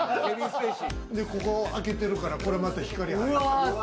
ここ開けてるから、これまた光入る。